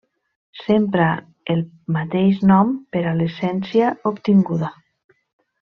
S'empra el mateix nom per a l'essència obtinguda.